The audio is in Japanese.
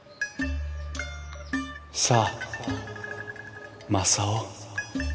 さあ正雄。